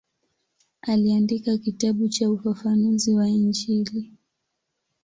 Aliandika kitabu cha ufafanuzi wa Injili.